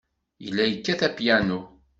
Yella yekkat apyanu.